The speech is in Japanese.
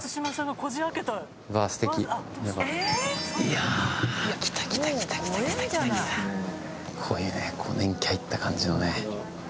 こういうね年季入った感じのね。